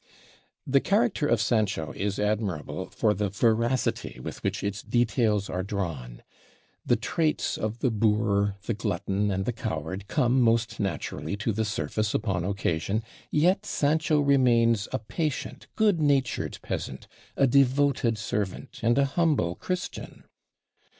The character of Sancho is admirable for the veracity with which its details are drawn. The traits of the boor, the glutton, and the coward come most naturally to the surface upon occasion, yet Sancho remains a patient, good natured peasant, a devoted servant, and a humble Christian.